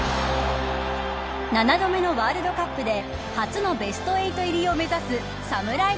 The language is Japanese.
７度目のワールドカップで初のベスト８入りを目指すサムライ